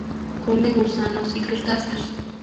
Come gusanos y crustáceos.